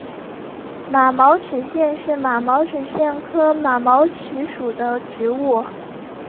毛马齿苋是马齿苋科马齿苋属的植物。